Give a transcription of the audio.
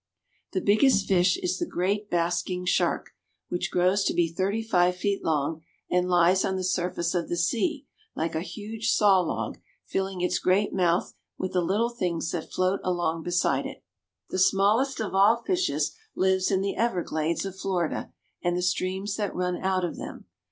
The biggest fish is the great basking shark, which grows to be thirty five feet long, and lies on the surface of the sea, like a huge saw log, filling its great mouth with the little things that float along beside it. The smallest of all fishes lives in the everglades of Florida and the streams that run out of them.